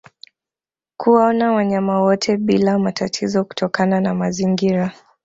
Kuwaona wanyama wote bila matatizo kutokana na mazingira